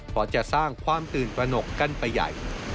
เพราะจะสร้างความตื่นตระหนกกันไปใหญ่